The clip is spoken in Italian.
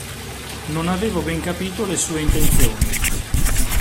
Non avevo ben capito le sue intenzioni.